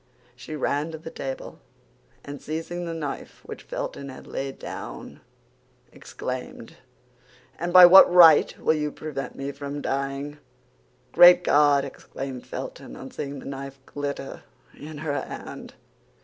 She ran to the table, and seizing the knife which Felton had laid down, exclaimed, "And by what right will you prevent me from dying?" "Great God!" exclaimed Felton, on seeing the knife glitter in her hand.